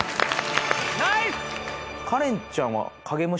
ナイス！